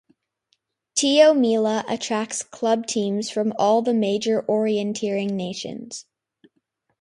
Tiomila attracts club teams from all the major orienteering nations.